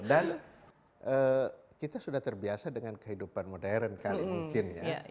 dan kita sudah terbiasa dengan kehidupan modern kali mungkin ya